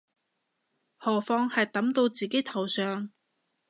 何況係揼到自己頭上